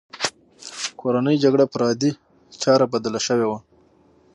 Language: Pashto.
کورنۍ جګړه پر عادي چاره بدله شوې وه